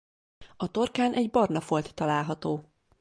A torkán egy barna folt található.